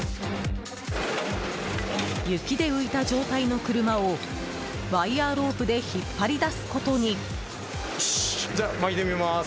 雪で浮いた状態の車をワイヤロープで引っ張り出すことに。